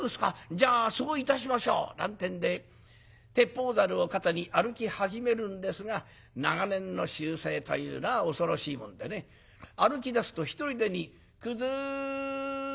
じゃあそういたしましょう」なんてんで鉄砲ざるを肩に歩き始めるんですが長年の習性というのは恐ろしいもんでね歩きだすとひとりでに「くずい」。